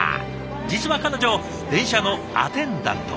実は彼女電車のアテンダント。